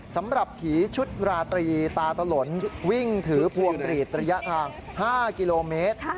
สำหรับผีชุดราตรีตาตลนวิ่งถือพวงกรีดระยะทาง๕กิโลเมตร